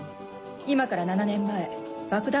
今から７年前爆弾